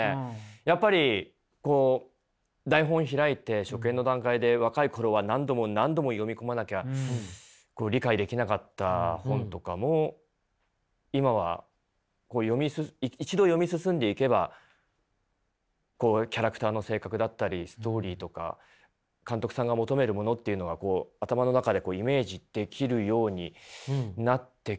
やっぱりこう台本開いて初見の段階で若い頃は何度も何度も読み込まなきゃ理解できなかった本とかも今は一度読み進んでいけばキャラクターの性格だったりストーリーとか監督さんが求めるものっていうのは頭の中でイメージできるようになってきているので。